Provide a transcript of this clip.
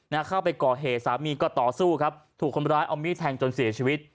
เข้าไปก่อเหตุสามีก็ต่อสู้ครับถูกคนร้ายเอามีดแทงจนเสียชีวิต